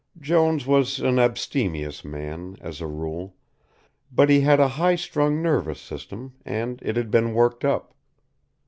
Jones was an abstemious man, as a rule, but he had a highly strung nervous system and it had been worked up.